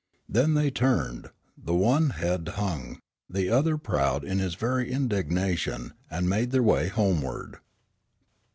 Then they turned, the one head hung, the other proud in his very indignation, and made their way homeward.